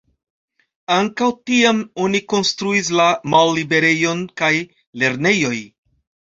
Ankaŭ tiam oni konstruis la Malliberejon kaj Lernejoj.